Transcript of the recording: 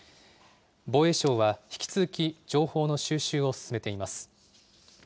防衛省は引き続き情報の収集を進めています。